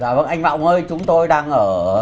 dạ vâng anh vọng ơi chúng tôi đang ở